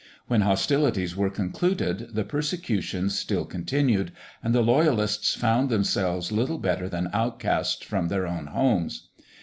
When hostilities were concluded, the persecutions still continued, and the Loyalists found themselves little better than outcasts from their own homes.